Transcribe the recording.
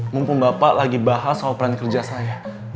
mumpung bapak lagi bahas soal peran kerja saya